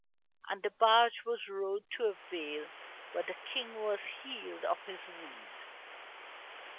And the barge was rowed to a vale where the King was healed of his wound.